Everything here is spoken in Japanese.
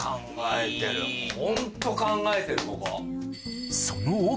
ホント考えてるここ。